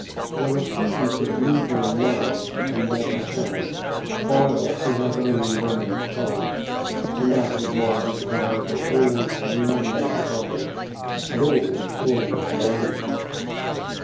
There are things that Lebele loves and never has, or else he has them only in part, and that is why his eyes are always dreamy and troubled, and always full of longing.